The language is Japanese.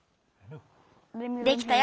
できたよ！